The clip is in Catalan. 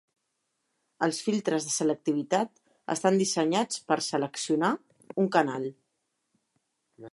Els filtres de selectivitat estan dissenyats per "seleccionar" un canal.